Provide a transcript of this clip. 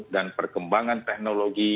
dan perkembangan teknologi